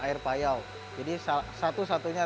air payau jadi satu satunya